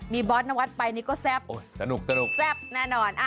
มีบอสนวัสไปนี่ก็แซ่บแซ่บแน่นอน